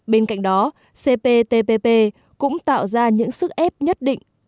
bên cạnh đó cptpp cũng tạo ra những sức ép nhất định